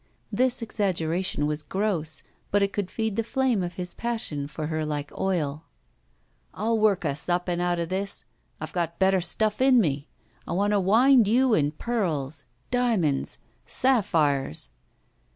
This exaggeration was gross, but it could feed the flame of his passion for her like oil. I'll work us up and out of this! I've got better stuff in me. I want to wind you in pearls — diamonds — sapphires."